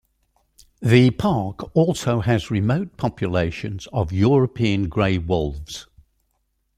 The park also has remote populations of European grey wolves.